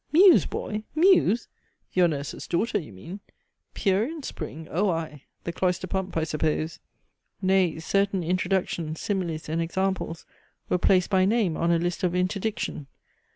Muse, boy, Muse? Your nurse's daughter, you mean! Pierian spring? Oh aye! the cloister pump, I suppose!" Nay certain introductions, similes, and examples, were placed by name on a list of interdiction.